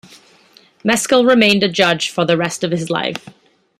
Meskill remained a judge for the rest of his life.